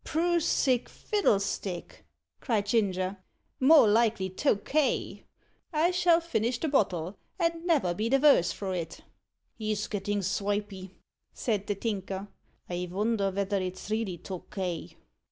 "Proossic fiddlestick!" cried Ginger; "more likely Tokay. I shall finish the bottle, and never be the vorse for it!" "He's gettin' svipy," said the Tinker. "I vonder vether it's really Tokay?"